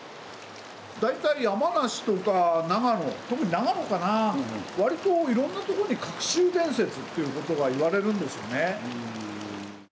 大体山梨とか長野特に長野かな割といろんなとこに隠し湯伝説ということがいわれるんですよね。